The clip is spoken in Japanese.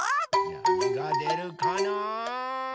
なにがでるかな。